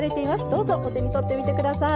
どうぞお手に取ってみてください。